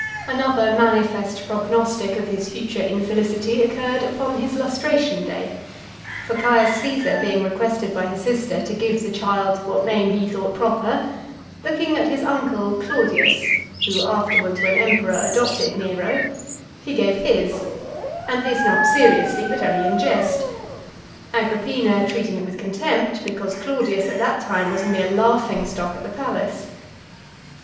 Another manifest prognostic of his future infelicity occurred upon his lustration day . For Caius Caesar being requested by his sister to give the child what name he thought proper looking at his uncle, Claudius, who (341) afterwards, when emperor, adopted Nero, he gave his: and this not seriously, but only in jest; Agrippina treating it with contempt, because Claudius at that time was a mere laughing stock at the palace.